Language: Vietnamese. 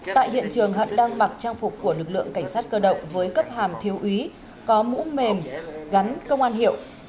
tại hiện trường hận đang mặc trang phục của lực lượng cảnh sát cơ động với cấp hàm thiếu úy có mũ mềm gắn công an hiệu